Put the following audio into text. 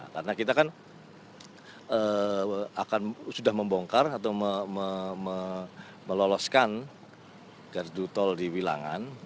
karena kita kan sudah membongkar atau meloloskan gerdu tol di wilangan